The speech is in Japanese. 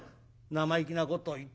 「生意気なことを言ってやがら。